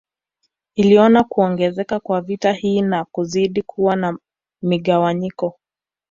Iliona kuongezeka kwa vita hii na kuzidi kuwa na migawanyiko